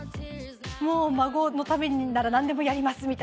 もう孫のためなら何でもやりますみたいな。